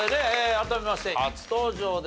改めまして初登場ですね